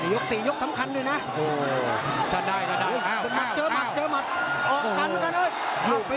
ยกสี่ยกสำคัญด้วยนะโอ้โหจะได้ก็ได้อ้าวอ้าวอ้าวเจอหมัดเจอหมัด